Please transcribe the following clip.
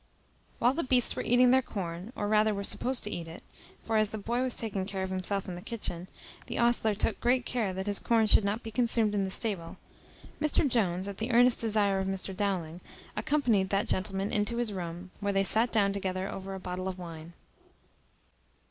While the beasts were eating their corn, or rather were supposed to eat it (for, as the boy was taking care of himself in the kitchen, the ostler took great care that his corn should not be consumed in the stable), Mr Jones, at the earnest desire of Mr Dowling, accompanied that gentleman into his room, where they sat down together over a bottle of wine.